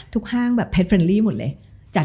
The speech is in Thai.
ทุกห้างหรือ